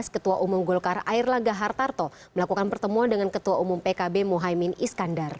ketua umum golkar air langga hartarto melakukan pertemuan dengan ketua umum pkb mohaimin iskandar